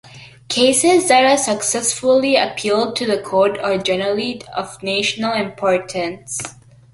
Cases that are successfully appealed to the Court are generally of national importance.